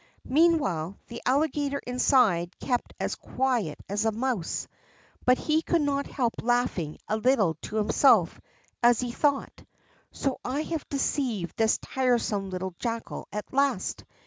Meantime, the Alligator inside kept as quiet as a mouse, but he could not help laughing a little to himself as he thought: "So I have deceived this tiresome little Jackal at last.